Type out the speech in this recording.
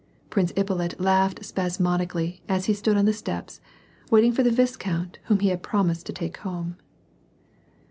Prince Ippolit laughed spasmodically, as he stood on the steps, waiting for the viscount whom he had promised to take home.